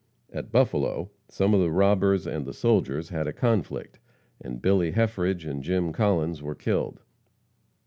At Buffalo, some of the robbers and the soldiers had a conflict, and Billy Heffridge and Jim Collins were killed.